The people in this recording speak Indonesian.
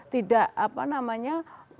tidak apa namanya